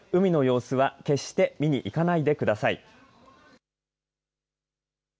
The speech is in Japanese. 海の様子は決して見に行かないでください。